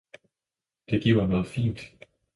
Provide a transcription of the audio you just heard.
Det giver noget fint!